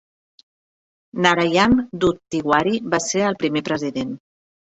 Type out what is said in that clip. Narayan Dutt Tiwari va ser el primer president.